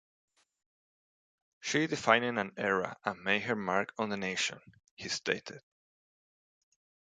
She defined an era and made her mark on the nation, he stated.